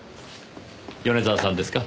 米沢さんですか？